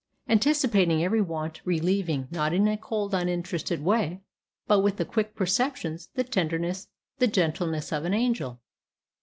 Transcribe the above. anticipating every want; relieving, not in a cold, uninterested way, but with the quick perceptions, the tenderness, the gentleness of an angel.